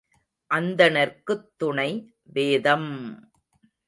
அந்தணர்க்குத் துணை வேதம்!